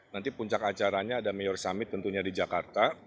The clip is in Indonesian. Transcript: nanti puncak acaranya ada mayor summit tentunya di jakarta